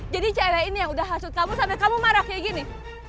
jadi cewek ini yang udah hasut kamu sampe kamu marah kaya gini